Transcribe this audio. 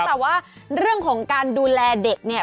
แต่ว่าเรื่องของการดูแลเด็กเนี่ย